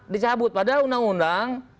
dicabut padahal undang undang